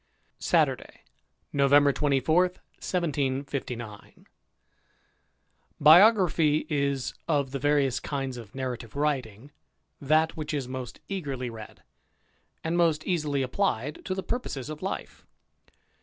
Saturday^ November 24, 1759. TDIOGRAPHY is, of the various kinds of narrati^ve ^ writing, that which is most eagerly read, and most easily applied to the purposes of life.